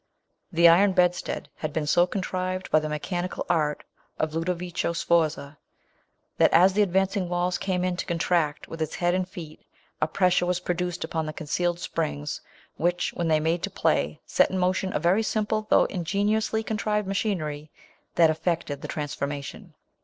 The iron bedstead had been so contrived, by the mechanical art of Ludovico Sforza, that as the ad vancing walls came in contact with its head and feet, a pressure was produced upon concealed springs, which, when made to play, set in motion a very simple though inge niously contrived machinery, that effected the transformation.